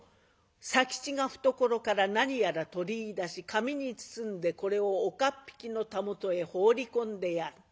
佐吉が懐から何やら取りいだし紙に包んでこれを岡っ引きのたもとへ放り込んでやる。